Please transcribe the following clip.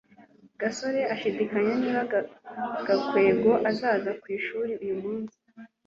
gasore ashidikanya niba gakwego azaza ku ishuri uyu munsi